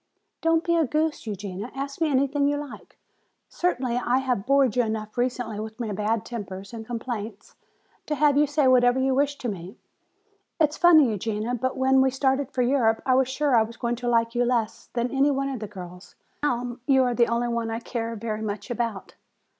"Don't be a goose, Eugenia, ask me anything you like. Certainly I have bored you enough recently with my bad tempers and complaints to have you say whatever you wish to me. It's funny, Eugenia, but when we started for Europe I was sure I was going to like you less than any one of the girls. Now you are the only one I care very much about."